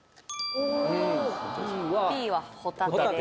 Ｂはホタテです